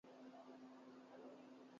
وقت کی ضرورت کو موضوع گفتگو بناتے ہوئے